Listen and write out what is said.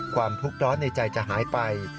ความทุกข์ร้อนในใจจะหายไป